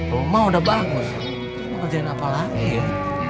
rumah udah bagus mau kerjain apa lagi ya